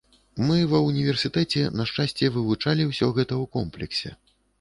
Мы ва ўніверсітэце, на шчасце, вывучалі ўсё гэта ў комплексе.